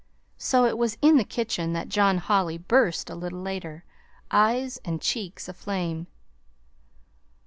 So it was into the kitchen that John Holly burst a little later, eyes and cheek aflame.